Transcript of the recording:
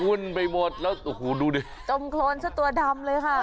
ไปหมดแล้วโอ้โหดูดิจมโครนซะตัวดำเลยค่ะ